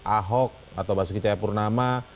ahok atau bahasukicaya purnama